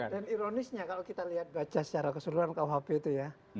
dan ironisnya kalau kita lihat baca secara keseluruhan kuhp itu ya